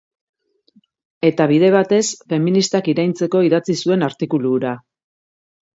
Eta bide batez, feministak iraintzeko idatzi zuen artikulu hura.